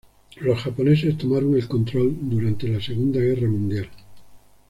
Los japoneses tomaron el control durante la Segunda Guerra Mundial.